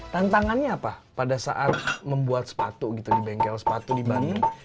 tantangannya apa pada saat membuat sepatu gitu di bengkel sepatu di bandung